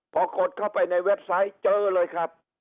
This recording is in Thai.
พอกดเข้าไปในเว็บไซต์เจอเลยครับ